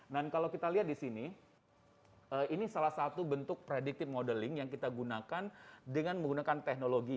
kalau kita lihat di sini ini salah satu bentuk predictive modeling yang kita gunakan dengan menggunakan teknologi